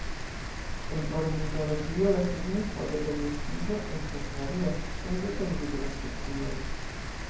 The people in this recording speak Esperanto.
En ornitologio, la signifo de elnestiĝo estas varia, depende de la specioj.